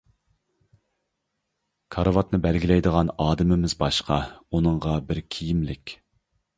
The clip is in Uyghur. كارىۋاتنى بەلگىلەيدىغان ئادىمىمىز باشقا، ئۇنىڭغا بىر كىيىملىك.